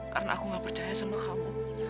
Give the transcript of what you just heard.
karena aku gak percaya sama kamu